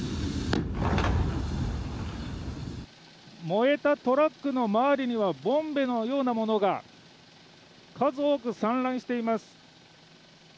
燃えたトラックの周りにはボンベのようなものが数多く散乱しています。